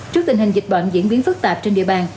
trước tình hình dịch bệnh diễn biến phức tạp trên địa bàn